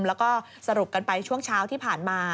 แล้วก็สรุปกันไปช่วงเช้าที่ผ่านมา